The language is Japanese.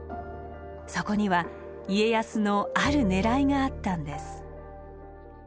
そこには家康のあるねらいがあったんです。